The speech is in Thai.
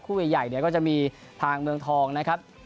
คู่ใหญ่ก็จะมีทางเมืองทองนะครับ